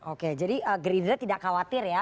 oke jadi gerindra tidak khawatir ya